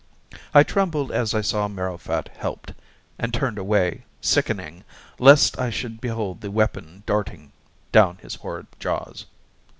I trembled as I saw Marrowfat helped, and turned away sickening, lest I should behold the weapon darting down his horrid jaws.